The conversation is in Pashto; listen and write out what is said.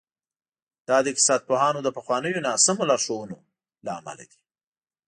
دا د اقتصاد پوهانو د پخوانیو ناسمو لارښوونو له امله دي.